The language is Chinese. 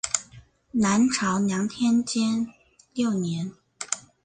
南朝梁天监六年。